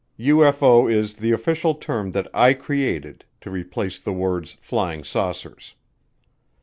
(UFO is the official term that I created to replace the words "flying saucers.")